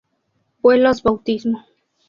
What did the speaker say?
Vuelos Bautismo.